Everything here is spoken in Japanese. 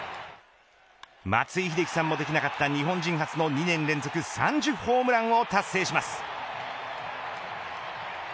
松井秀喜さんもできなかった日本人初の２年連続３０ホームランを達成します。